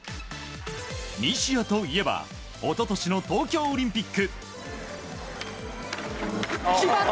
西矢といえば一昨年の東京オリンピック。